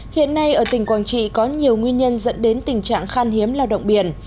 hiện nay ở tỉnh quảng trị có nhiều nguyên nhân dẫn đến tình trạng khan hiếm lao động biển